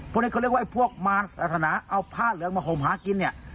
พวกนี้เขาเรียกว่าไอ้พวกมารศาสนาเอาผ้าเหลืองมาห่มหากินเนี่ย